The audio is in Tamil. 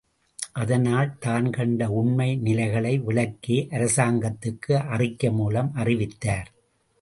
அதனால், தான்கண்ட உண்மை நிலைகளை விளக்கி அரசாங்கத்துக்கு அறிக்கை மூலம் அறிவித்தார்.